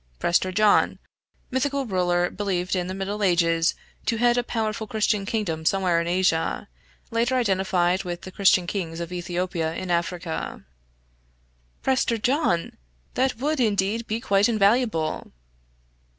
{Prester John = Mythical ruler believed in the Middle Ages to head a powerful Christian Kingdom somewhere in Asia; later identified with the Christian Kings of Ethiopia in Africa} "Prester John! That would, indeed, be quite invaluable!"